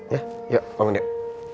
ya yuk bangun yuk